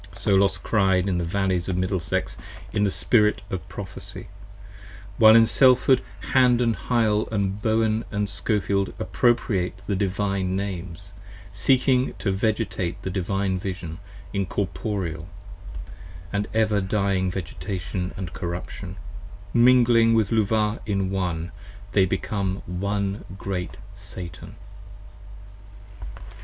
So Los cried in the Valleys of Middlesex in the Spirit of Prophecy, 40 While in Selfhood Hand & Hyle & Bowen & Skofeld appropriate The Divine Names: seeking to Vegetate the Divine Vision In a corporeal & ever dying Vegetation & Corruption: Mingling with Luvah in One, they become One Great Satan.